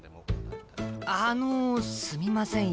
あのすみません